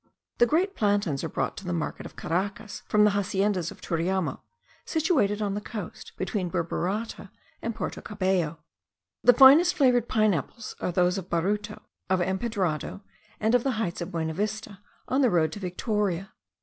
The great plantains are brought to the market of Caracas from the haciendas of Turiamo, situated on the coast between Burburata and Porto Cabello. The finest flavoured pine apples are those of Baruto, of Empedrado, and of the heights of Buenavista, on the road to Victoria.